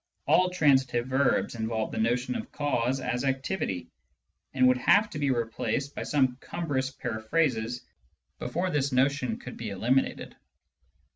All transitive verbs involve the notion of cause as activity, and would have to be replaced by some cumbrous peri phrasis before this notion could be eliminated.